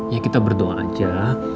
ya kita berdoa aja